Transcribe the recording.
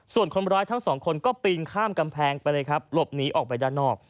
ส่วนคนร้ายทั้งสองคนก็ปีนข้ามกำแพงไปเลยครับหลบหนีออกไปด้านนอก